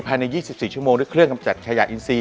ภายใน๒๔ชั่วโมงด้วยเครื่องกำจัดขยะอินซี